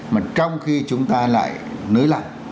mà trong khi chúng ta lại nới lặn